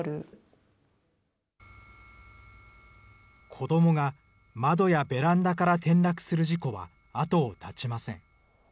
子どもが窓やベランダから転落する事故は後を絶ちません。